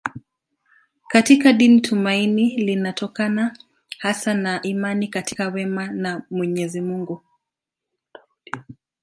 Katika dini tumaini linatokana hasa na imani katika wema wa Mwenyezi Mungu.